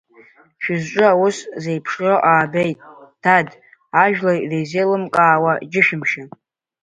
Шәызҿу аус зеиԥшроу аабеит, дад, ажәлар ирзеилымкаауа џьышәымшьан.